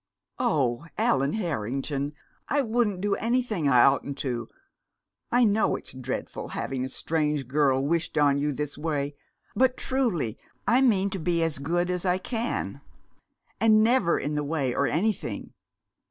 "Oh, Allan Harrington, I wouldn't do anything I oughtn't to! I know it's dreadful, having a strange girl wished on you this way, but truly I mean to be as good as I can, and never in the way or anything!